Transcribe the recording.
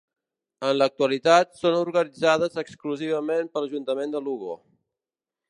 En l'actualitat són organitzades exclusivament per l'Ajuntament de Lugo.